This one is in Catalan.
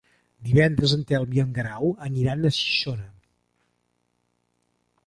Divendres en Telm i en Guerau aniran a Xixona.